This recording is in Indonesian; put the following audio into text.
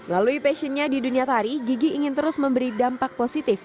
lalui passionnya di dunia tari gigi ingin terus memberi dampak positif